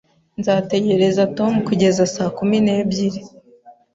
Nzategereza Tom kugeza saa kumi n'ebyiri